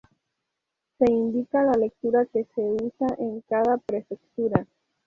Se indica la lectura que se usa en cada prefectura.